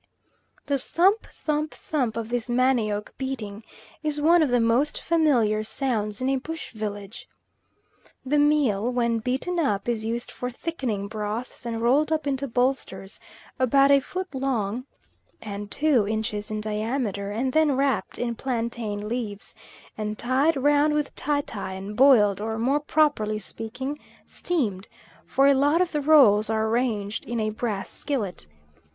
The thump, thump, thump of this manioc beating is one of the most familiar sounds in a bush village. The meal, when beaten up, is used for thickening broths, and rolled up into bolsters about a foot long and two inches in diameter, and then wrapped in plantain leaves, and tied round with tie tie and boiled, or more properly speaking steamed, for a lot of the rolls are arranged in a brass skillet.